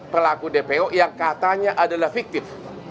pelaku dpo yang katanya adalah fiktif